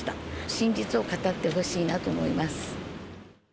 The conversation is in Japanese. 真実を語ってほしいなと思います。